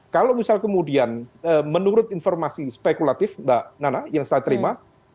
kalau misal kemudian menurut informasi spekulatif mbak nana yang saya terima